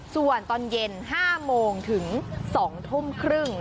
ส่วนตอนเย็น๕โมงถึง๒ทุ่มครึ่ง